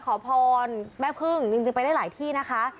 กลับกลับว่าขอพรแม่พึ่งจึงไปได้หลายที่นะคะ